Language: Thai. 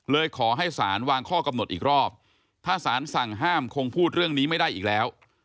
ขอให้สารวางข้อกำหนดอีกรอบถ้าสารสั่งห้ามคงพูดเรื่องนี้ไม่ได้อีกแล้ว